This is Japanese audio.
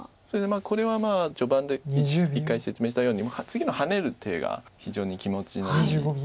そうですねこれはまあ序盤で１回説明したように次のハネる手が非常に気持ちのいい。